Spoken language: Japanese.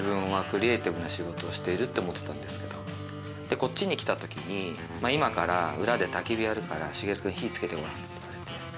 こっちに来たときに「今から裏でたき火やるからシゲル君火つけてごらん」っつって言われて。